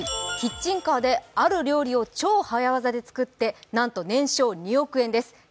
キッチンカーである料理を超早技で作ってなんと年商２億円です。